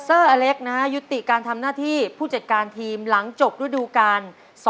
เซอร์อเล็กยุติการทำหน้าที่ผู้จัดการทีมหลังจบรูดูการ๒๐๑๒๒๐๑๓